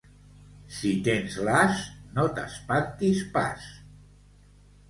Si tens l'as, no t'espantis pas.